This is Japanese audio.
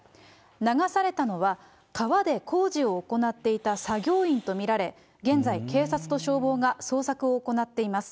流されたのは川で工事を行っていた作業員と見られ、現在警察と消防が捜索を行っています。